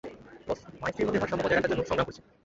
বস, মা-স্ত্রীর মধ্যে ভারসাম্য বজায় রাখার জন্য সংগ্রাম করছে।